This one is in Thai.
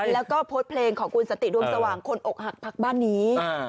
แล้วก็โพสต์เพลงของคุณสันติดวงสว่างคนอกหักพักบ้านนี้